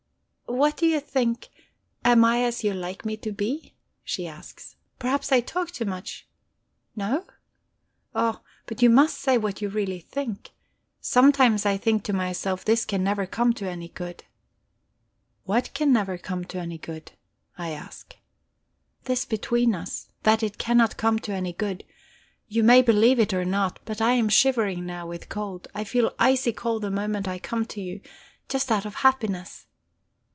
"What do you think am I as you like me to be?" she asks. "Perhaps I talk too much. No? Oh, but you must say what you really think. Sometimes I think to myself this can never come to any good..." "What can never come to any good?" I ask. "This between us. That it cannot come to any good. You may believe it or not, but I am shivering now with cold; I feel icy cold the moment I come to you. Just out of happiness."